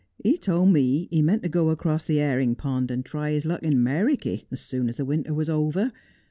He told me he meant to go across the 'erring pond and try his luck in Meriky as soon as the winter was over.